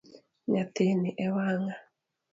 Nyathini e wang'a.